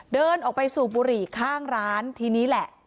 เดินออกไปสูบบุหรี่ข้างร้านทีนี้แหละ